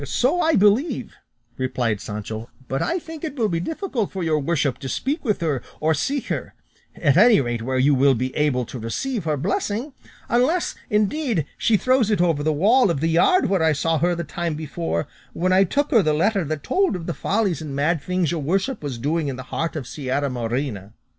"So I believe," replied Sancho; "but I think it will be difficult for your worship to speak with her or see her, at any rate where you will be able to receive her blessing; unless, indeed, she throws it over the wall of the yard where I saw her the time before, when I took her the letter that told of the follies and mad things your worship was doing in the heart of Sierra Morena."